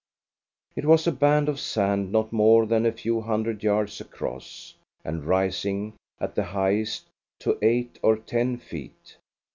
It was a band of sand not more than a few hundred yards across, and rising at the highest to eight or ten feet.